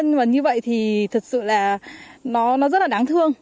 nhưng mà như vậy thì thật sự là nó rất là đáng thương